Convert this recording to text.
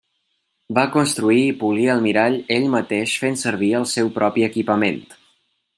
Va construir i polir el mirall ell mateix fent servir el seu propi equipament.